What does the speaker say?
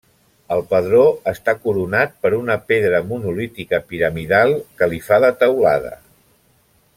El padró està coronat per una pedra monolítica piramidal que li fa de teulada.